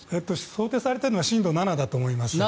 想定されているのは震度７だと思います。